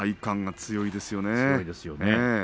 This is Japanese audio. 強いですよね。